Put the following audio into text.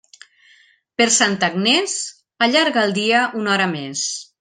Per Santa Agnés, allarga el dia una hora més.